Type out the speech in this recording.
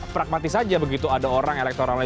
pragmatis saja begitu ada orang elektoralnya